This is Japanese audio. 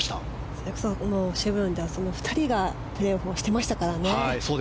それこそシェブロンではその２人がプレーオフもしてましたからね。